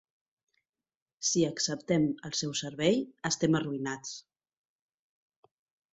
Si acceptem el seu servei, estem arruïnats.